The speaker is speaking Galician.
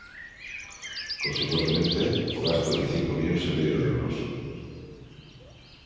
Consecuentemente, o gasto é de cinco millóns e medio de euros.